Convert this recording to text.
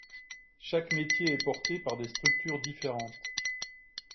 Chaque métier est porté par des structures différentes.